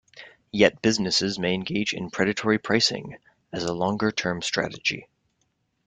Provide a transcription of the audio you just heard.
Yet businesses may engage in predatory pricing as a longer term strategy.